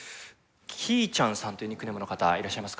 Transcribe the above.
「きいちゃんさん」というニックネームの方いらっしゃいますか？